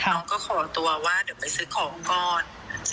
น้องก็ขอตัวว่าเดี๋ยวไปซื้อของก่อน